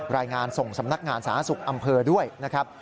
รายงานส่งสำนักงานสถานศักดิ์ศุกร์อำเภอด้วยนะครับ